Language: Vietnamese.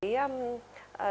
cái thứ hai nữa là cái